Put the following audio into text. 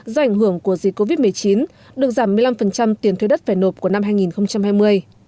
do ảnh hưởng của dịch covid một mươi chín được giảm một mươi năm tiền thuê đất phải nộp của năm hai nghìn hai mươi